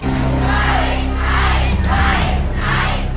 ใช้หรือไม่ใช้ครับ